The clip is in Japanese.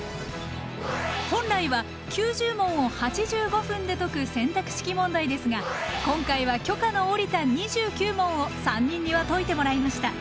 本来は９０問を８５分で解く選択式問題ですが今回は許可の下りた２９問を３人には解いてもらいました！